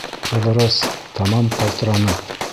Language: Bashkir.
Ҡыҙырас, тамам ҡалтыранып: